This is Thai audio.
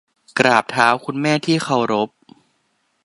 กราบเท้าคุณแม่ที่เคารพ